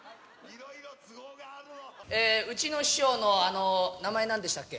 うちの師匠の、名前、なんでしたっけ？